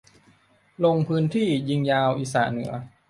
ลงพื้นที่ยิงยาวอีสานเหนือ